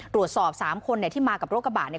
หลวดสอบ๓คนเนี่ยที่มากับโรคกระบาดเนี่ย